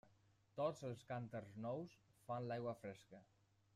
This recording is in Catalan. Tots els cànters nous fan l'aigua fresca.